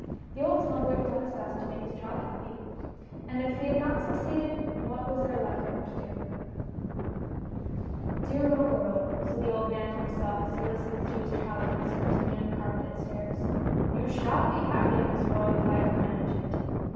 The old smuggler had done his best to make his child happy, and if he had not succeeded what was there left for him to do ? 52 THE NIGHT AFTER. " Dear little girl," said the old man to himself as he listened to his child's footsteps on the uncarpeted stairs, " you shall be happy in this world if I can man age it